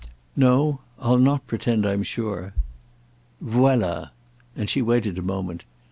"No, I'll not pretend I'm sure." "Voilà." And she waited a moment.